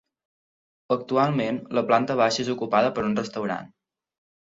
Actualment, la planta baixa és ocupada per un restaurant.